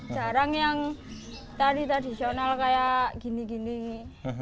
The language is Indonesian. jarang yang tari tradisional kayak gini gini